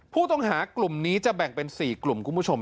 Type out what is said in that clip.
ผู้ต้องหากลุ่มนี้จะแบ่งเป็น๔กลุ่มคุณผู้ชม